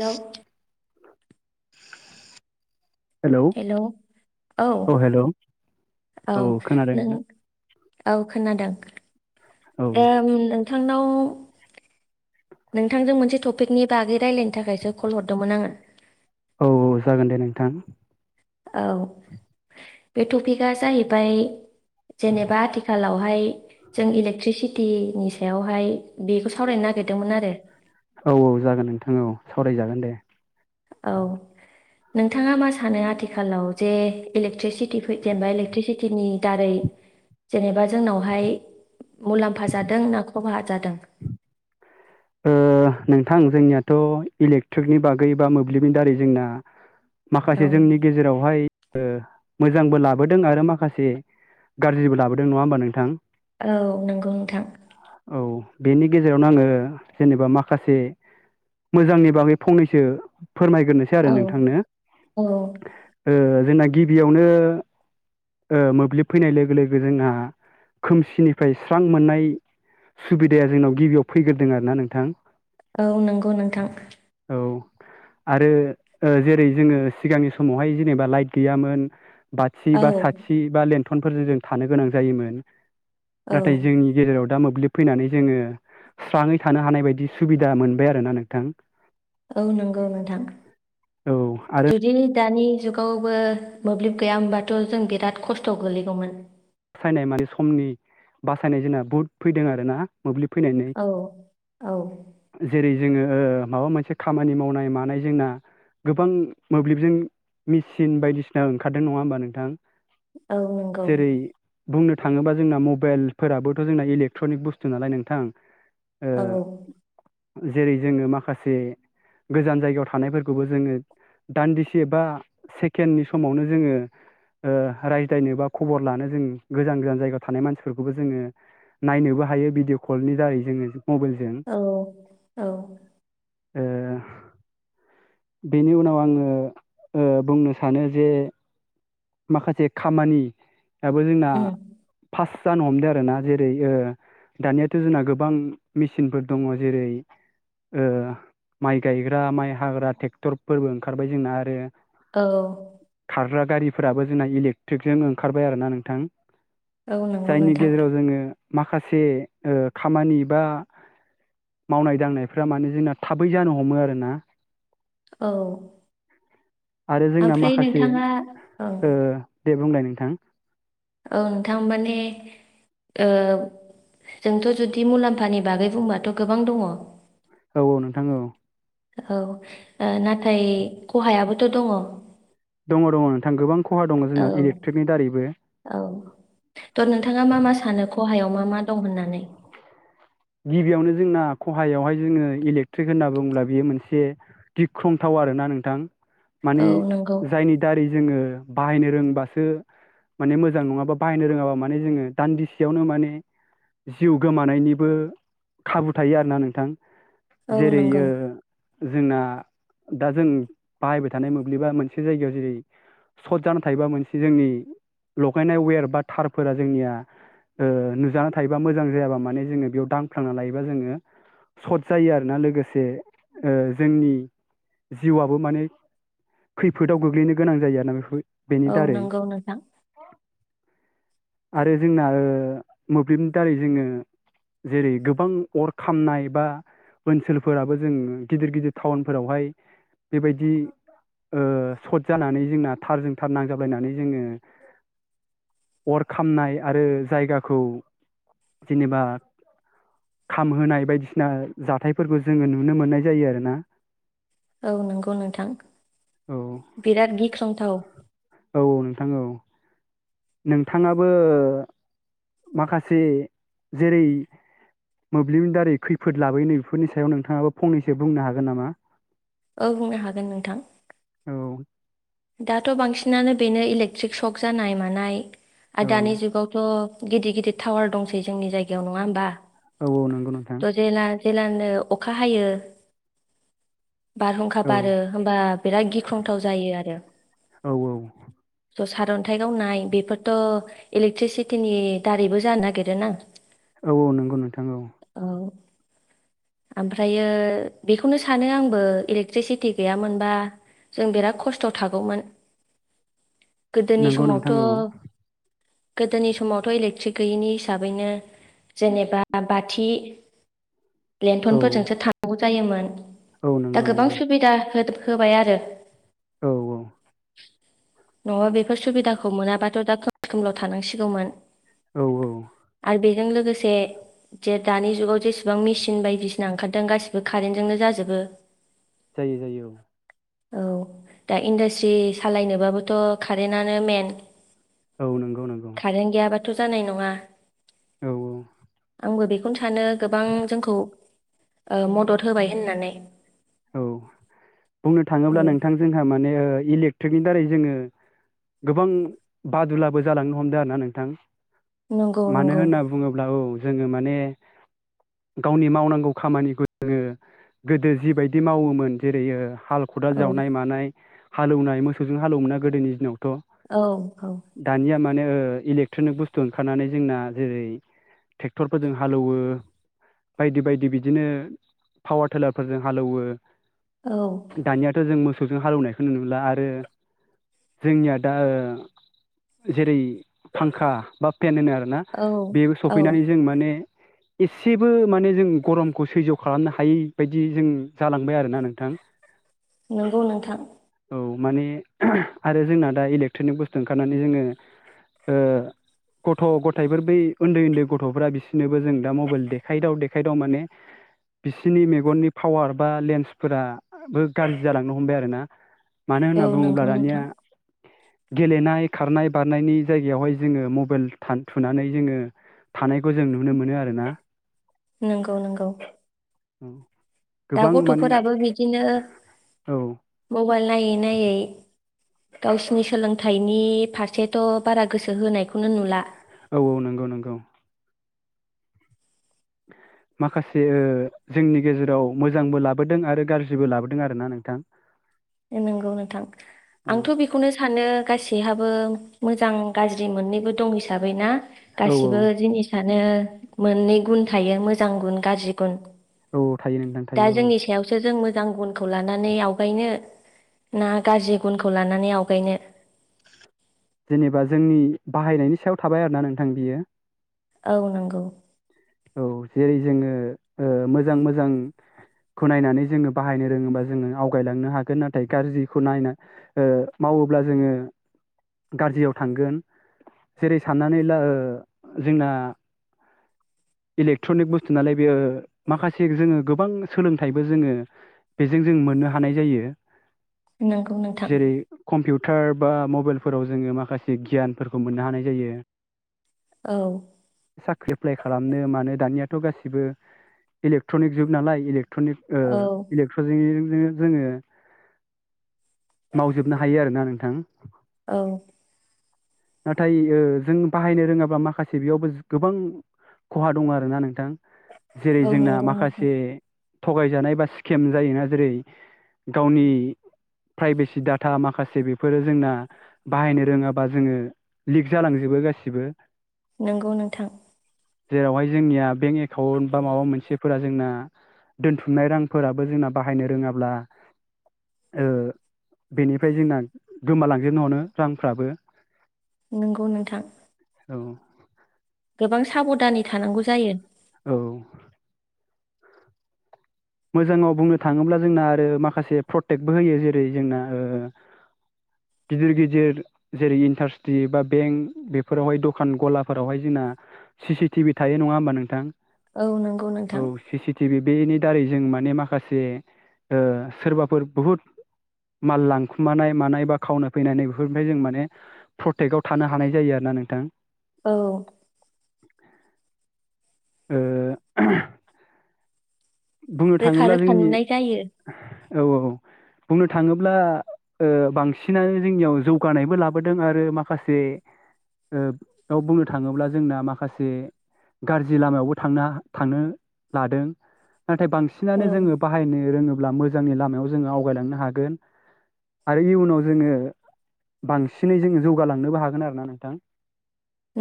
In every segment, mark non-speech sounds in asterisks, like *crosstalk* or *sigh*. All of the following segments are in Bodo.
हेल' हेलौ हेल' औ। औ हेलौ औ औ खोनादों नों नोंथां औ खोनादों औ *unintelligible* नोंथांनाव। नोंथांजों मोनसे टपिकनि बागै रायलायनो थाखायसो कल हरदोंमोन आङो औ औ जागोन दे नोंथां। औ बे टपिकआ जाहैबाय जेनेबा आथिखालाव बेावहाय जों इलेकट्रिसिटिनि सायावहाय बेखौ सावरायनो नागिरदोंमोन आरो औ औ जागोन नोंथां औ सावरायजागोन दे औ नोंथाङा मा सानो आथिखालाव जे इलेक्ट्रिसिटि जेनेबा इलेक्ट्रिसिटिनि दारै जेनेबा जोंनावहाय मुलाम्फा जादों ना खहा जादों ओ नोंथां जोंनियाथ' इलेक्ट्रिकनि बागै बा मोब्लिबनि दारै जोंना औ माखासे जोंनि गेजेरावहाय मोजांबो लाबोदों आरो माखासे गाज्रिबो लाबोदों नङा होमबा नोंथां औ नंगौ नोंथां औ बेनि गेजेरावनो आङो जेनेबा माखासे माखासे मोजांनि बागै फंनैसो फोरमायग्रोनोसै आरो औ नोंथांनो औ जोंना गिबियावनो मोब्लिब फैनाय लोगो लोगो जोंहा खोमसिनिफ्राय स्रां मोननाय सुबिदाया जोंनाव गिबियाव फैग्रोदों आरोना नोंथां औ नंगौ नोंथां औ आरो जेरै जोङो सिगांनि समावहाय जेनेबा लाइट गैयामोन बाथिसि औ बा साथि बा लेन्थनफोरजों जों थानो गोनां जायोमोन औ नाथाय जोंनि गेजेराव दा मोब्लिब फैनानै जोङो स्राङै थानो हानाय बायदि सुबिदा मोनबाय आरोना नोंथां औ नंगौ नोंथां औ आरो जुदि दानि जुगावबो मोब्लिब गैया होनोमबाथ' जों बिराद खस्थ' गोलैगौमोन बासायनाय माने समनि बासायनाय जोंना बुहुद फैदों आरो ना मोब्लिब फैनानै औ औ जेरै जोङो माबा मोनसे खामानि मावनाय मानाय जोंना गोबां मोब्लिबजों मेसिन बायदिसिना ओंखारदों नङा होमबा नोंथां। औ नंगौ। जेरै बुंनो थाङोबा जोंना मबाइलफोराबोथ' जोंना इलेक्ट्रनिक बुस्थु नालाय नोंथां ओ औ जेरै जोङो माखासे गोजान जायगायाव थानायफोरखौबो जोङो दान्दिसे बा सेकेन्डनि समावनो जोङो रायज्लायनो बा खबर लानो जों गोजान गोजान जायगायाव थानाय मानसिफोरखौबो जोङो नायनोबो हायो भिडिअ कलनि दारै जोङो मबाइलजों औ औ ओ बेनि उनाव आङो बुंनो सानो जे माखासे खामानियाबो जोंना उम फाच जानो हमदों आरो ना जेरै दानियाथ' जोंना गोबां मेचिनफोर दङ जेरै माइ गायग्रा माइ हाग्रा ट्रेक्टरफोरबो ओंखारबाय जोंना आरो औ खारग्रा गारिफोराबो जोंना इलेक्ट्रिकजों ओंखारबाय आरो ना नोंथां औ नंगौ जायनि नोंथां गेजेराव जोङो माखासे खामानि बा मावनाय दांनायफ्रा माने जोंना थाबै जानो हमो आरोना औ आरो जोंना ओमफ्राय माखासे नोंथाङा औ दे बुंलाय नोंथां औ नोंथां माने जोंथ' जुदि मुलाम्फानि बागै बुंबाथ' गोबां दङ औ औ नोंथां औ औ नाथाय खहायाबोथ' दङ दङ दङ नोंथां गोबां खहा दङ जोंना इलेक्ट्रिकनि दारैबो औ थ' नोंथाङा मा मा सानो खहायाव मा मा दं होननानै गिबियावनो जोंना खहायावहाय जोङो इलेक्ट्रिक होनना बुङोब्ला बियो मोनसे गिख्रंथाव आरोना नोंथां औ माने नंगौ जायनि दारै जोङो बाहायनो रोंबासो माने मोजां नङाबा बाहायनो रोङाबा माने जोङो दान्दिसेयावनो माने जिउ गोमानायनिबो खाबु थायो आरोना नोंथां औ जेरै नंगौ ओ जोंना दा जों बाहायबाय थानाय मोब्लिबा मोनसे जायगायाव जेरै सर्ट जाना थायोबा मोनसे जोंनि लगायनाय वेर बा थारफोरा जोंनिया ओ नुजाना थायोबा मोजां जायाबा माने जोङो बेयाव दां फ्लांना लायोबा जोङो सर्ट जायो आरोना लोगोसे जोंनि जिउआआबो माने खैफोदाव गोग्लैनो गोनां जायो आरोना बेफोर बेनि औ दारै नंगौ नोंथां। आरो जोंना ओ मोब्लिबनि दारै जोङो जेरै गोबां अर खामनाय बा ओनसोलफोराबो जों गिदिर गिदिर टाउनफोरावहाय बेबायदि ओ सर्ट जानानै जोंना थारजों थार नांजाबलायनानै जोङो अर खामनाय आरो जायगाखौ जेनेबा खामहोनाय बायदिसिना जाथायफोरखौ जोङो नुनो मोननाय जायो आरोना। औ नंगौ नोंथां औ बिराद गिख्रंथाव। औ नोंथां औ नोंथाङाबो माखासे जेरै मोब्लिबनि दारै खैफोद लाबोयो नै बेफोरनि सायाव नोंथाङाबो फंनैसो बुंनो हागोन नामा? औ बुंनो हागोन नोंथां औ दाथ' बांसिनानो बेनो इलेकट्रिक सक जानाय मानाय औ आरो दानि जुगावथ' गिदिर गिदिर टावार दंसै जोंनि जायगायाव नङा होनोमबा? औ औ नंगौ नोंथां। जेलानो अखा हायो बारहुंखा औ बारो होमबा बिराद गिख्रंथाव जायो आरो। औ औ ज' सारन्थाइ गावनाय बेफोरथ' इलेक्ट्रिसिटिनि दारैबो जानो नागिरो ना। औ औ नंगौ नोंथां औ। औ ओमफ्रायो बेखौनो सानो आंबो इलेक्ट्रिसिटि गैयामोनबा जों बिराद खस्थ' थागौमोन गोदोनि नंगौ समावथ' नोंथां औ गोदोनि समावथ' इलेक्ट्रिक गैयैनि हिसाबैनो जेनेबा बाथि *inaudible* औ लेन्थनफोरजोंसो थांनांगौ जायोमोन औ दा नंगौ गोबां नंगौ सुबिदा होबाय आरो। औ औ नङाबा बेफोर सुबिदाखौ मोनाबाथ' दा खोमसि खोमलाव थानांसिगौमोन। औ औ। आरो बेजों लोगोसे जे दानि जुगाव जेसेबां मिसिन सिन बायदिसिना ओंखारदों गासिबो कारेन्टजोंनो जाजोबो। जायो जायो औ। औ दा इन्डास्ट्रि सालायनोबाबोथ' कारेन्तनो मेन औ नंगौ नंगौ। थ' जानाय नङा औ औ। आंबो बेखौनो सानो गोबां जोंखौ मदद होबाय होननानै। औ बुंनो औ थाङोब्ला नोंथां जोंहा माने ओ इलेक्ट्रिकनि दारै जोङो गोबां बादुलाबो जालांनो हमदों आर ना नोंथां। नंगौ मानो नंगौ होनना बुङोब्ला औ जोङो माने गावनि मावनांगौ खामानिखौ जोङो गोदो जिबायदि बिदि मावोमोन जेरै हाल खदाल औ जावनाय मानाय हालेवनाय मोसौजों हालेवोमोन ना गोदोनि दिनाव औ औ दानिया मा नो इलेट्रनिक बुस्थु ओंखारनानै जोंना जेरै ट्रेक्टरफोरजों हालौवो बायदि बायदि बिदिनो पावार टेलारफोरजों हालौवो औ दानियाथ' जों मो सौजों हालेवनायखौ नुनो मोनला आरो जोंनिया दा ओ जेरै फांखा बा पेन होनो आरोना औ बे औ सफैनानै जों माने एसेबो माने जों गरमखौ सैज' खालामनो हायै बायदि जों जालांबाय आरोना नोंथां। नंगौ नोंथां माने आरो जोंना दा इलेकट्रनिक बुस्थु ओंखारनानै जोङो ओ गथ' गथाइफोर बै उन्दै उन्दै गथ'फोरा बिसोरनोबो जों दा मबाइल देखायदाव देखायदाव माने बिसिनि मेगननि पावार बा लेन्सफोराबो गाज्रि जालांनो हमबाय आरो ना मानो औ होनना बुङोब्ला नंगौ दानिया नोंथां गेलेनाय खारनाय बारनायनि जायगायावहाय जोङो मबाइल थुनानै जोङो थानायखौ जों नुनो मोनो आरो ना नंगौ नंगौ औ दा गोबां माने गथ'फोराबो बिदिनो औ मबाइल नायै नायै गावसिनि सोलोंथाइनि फारसेथ' बारा गोसो होनायखौनो नुला। औ औ नंगौ नंगौ *inaudible* माखासे जोंनि गेजेराव मोजांबो लाबोदों आरो गाज्रिबो लाबोदों आरोना नोंथां। नंगौ नोंथां औ आंथ' बेखौनो सानो गासैहाबो मोजां गाज्रि मोननैबो दं हिसाबै ना औ औ गासिबो जिनिसा नो मोननै गुन थायो मोजां गुन गाज्रि गुन औ थायो नोंथां दा थायो औ जोंनि सायावसो जों मोजां गुनखौ लानानै आवगायनो ना गाज्रि गुनखौ लानानै आवगायनो जेनेबा जोंनि बाहायनायनि सायाव थाबाय आरोना नोंथां बियो औ नंगौ औ जेरै जोङो ओ मोजां मोजां खौ नायनानै जोङो बाहायनो रोङोबा जोङो आवगायलांनो हागोन नाथाय गाज्रिखौ नायना ओ माव वोब्ला जोङो गाज्रियाव थांगोन जेरै साननानै ला जोंना इलेक्ट्रनिक बुस्थु नालाय बेयो माखासे जोङो गोबां सोलोंथाइबो जोङो बेजों जों मोननो हानाय जायो। नंगौ नोंथां जेरै कम्पिउ टार बा मबाइलफोराव जोङो माखासे गियानफोरखौ मोननो हानाय जायो। औ साख्रि एप्लाइ खालामनो मानो दानियाथ' गासिबो इलेक्ट्रनिक जुग नालाय इलेक ट्रनिक ओ औ *unintelligible* जोङो मावजोबनो हायो आरोना नोंथां। औ नाथाय जों बाहायनो रोङाब्ला माखासे बेयावबो गोबां खहा दङ आरोना नोंथां जेरै औ जोंना नंगौ नोंथां माखासे थगायजानाय बा स्केम जायोना जेरै गावनि प्राइभेसि डाटा माखासे बेफोरो जोंना बाहायनो रोङाबा जोङो लिक जालांजो बो गासिबो। नंगौ नोंथां। जेरावहाय जोंनिया बेंक एकाउन्ट बा माबा मोनसेफोरा जोंना दोनथुमनाय रांफोराबो जोंना बाहायनो रोङाब्ला ओ बेनिफ्राय जोंना गोमालांजोबनो हमो रांफ्राबो। नंगौ नोंथां। औ गोबां साबदानै थानांगौ जायो औ मोजाङाव बुंनो थाङोब्ला जोंना आरो माखासे प्रटेक्टबो होयो जेरै जोंना ओ गिदिर गिदिर जेरै इन्टास्ट्रि बा बेंक बेफोरावहाय दखान गलाफोरावहाय जोंना सिसि टि भि थायो नङा होमबा नोंथां औ नंगौ नोंथां थारै जों माने माखासे ओ सोरबाफोर बुहुद माल लांखुमानाय मानाय बा खावनो फैनानै बेफोरनिफ्राय जों माने प्रटेक्टआव थानो हानाय जायो आरोना नोंथां औ ओ ओहम बुंनो रोखा थाङोब्ला रोखा जोंनि नुनाय जायो औ औ बुंनो थाङोब्ला ओ बांसिनानो जोंनियाव जौगानायबो लाबोदों आरो माखासे ओ आव बुंनो थाङोब्ला जोंना माखासे गारजि लामायावबो थांना थांनो लादों नाथाय औ बांसिनानो जोङो बाहायनो रोङोब्ला मोजांनि लामायाव जोङो आवगायलांनो हागोन आरो इयुनाव जोङो बांसिनै जोङो जौगालांनोबो हागोन आरोना नोंथां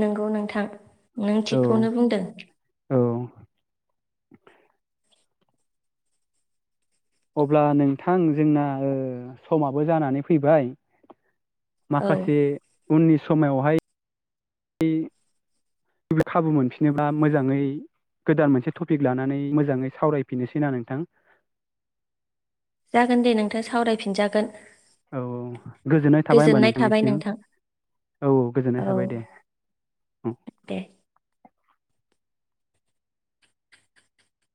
नोंगौ नोंथां नों औ थिगखौनो बुंदों औ अब्ला नोंथां जोंना ओ समाबो जानानै फैबाय औ माखासे उननि समायावहाय *unintelligible* खाबु मोनफिनोबा मोजाङै गोदान मोनसे टपिक लानानै मोजाङै सावरायफिनोसैना नोंथां जागोन दे नोंथां सावरायफिनजागोन औ औ गोजोननाय थाबाय होमबा थाबाय नोंथांनिसिम नोंथां औ औ गोजोननाय थाबाय दे दे